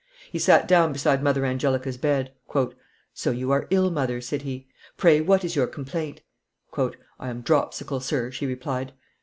He sat down beside Mother Angelica's bed. "So you are ill, mother," said he; "pray, what is your complaint?" "I am dropsical, sir," she replied.